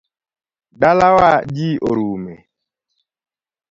Dalawa ji orume